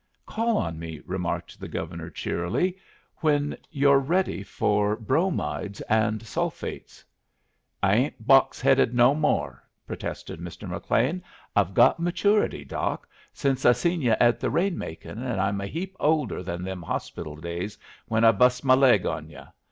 "Call on me," remarked the Governor, cheerily, "when you're ready for bromides and sulphates." "I ain't box headed no more," protested Mr. McLean; "I've got maturity, Doc, since I seen yu' at the rain making, and I'm a heap older than them hospital days when I bust my leg on yu'.